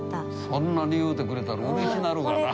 そんなに言うてくれたらうれしなるがな。